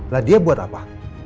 lah dia buat apa